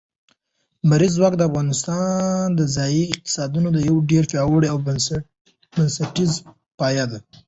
لمریز ځواک د افغانستان د ځایي اقتصادونو یو ډېر پیاوړی او بنسټیز پایایه دی.